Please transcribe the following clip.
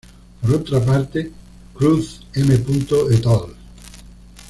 Por otra parte, Cruz M. "et al.